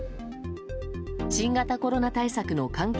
新型コロナ対策の関係